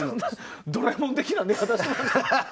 「ドラえもん」的な寝方してたんや。